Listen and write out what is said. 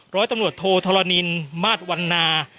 ร้อยตำรวจโทธรณินมาสวันนา